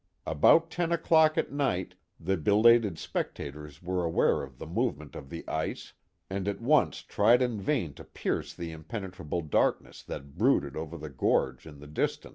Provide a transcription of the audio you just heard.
About ten o'clock at night the belated spectators were aware of the movement of the ice, and at once tried in vain to pierce the impenetrable darkness that brooded over the gorge in the distance.